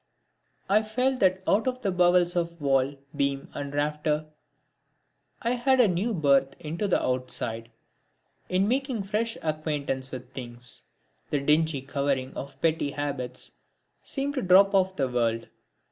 I felt that out of the bowels of wall, beam and rafter, I had a new birth into the outside. In making fresh acquaintance with things, the dingy covering of petty habits seemed to drop off the world.